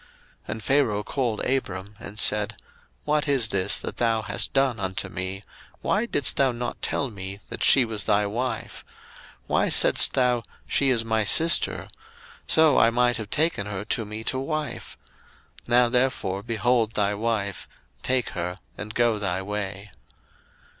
01:012:018 And Pharaoh called Abram and said, What is this that thou hast done unto me? why didst thou not tell me that she was thy wife? 01:012:019 Why saidst thou, She is my sister? so I might have taken her to me to wife: now therefore behold thy wife, take her, and go thy way.